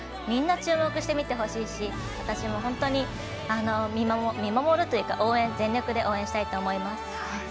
みんな注目して、見てほしいし私も本当に、見守るというか全力で応援したいと思います。